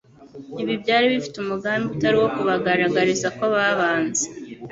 Ibi byari bifite umugamb: utari uwo kubagaragariza ko babanze